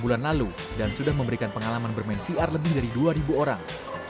bulan lalu dan sudah memberikan pengalaman bermain vr lebih dari dua orang